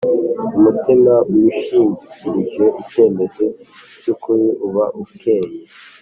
Umutima wishingikirije icyemezo cy’ukuri uba ukeye